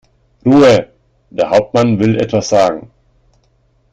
Ruhe! Der Hauptmann will etwas sagen.